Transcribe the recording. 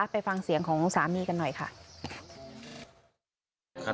ไปฟังเสียงของสามีกันหน่อยค่ะ